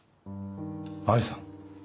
愛さん？